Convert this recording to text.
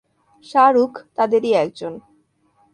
শাহরুখ তাদেরই একজন।